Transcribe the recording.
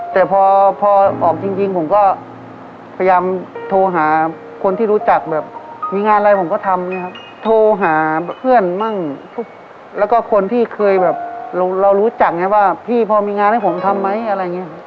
แต่พอพอออกจริงผมก็พยายามโทรหาคนที่รู้จักแบบมีงานอะไรผมก็ทำไงครับโทรหาเพื่อนมั่งแล้วก็คนที่เคยแบบเรารู้จักไงว่าพี่พอมีงานให้ผมทำไหมอะไรอย่างเงี้ย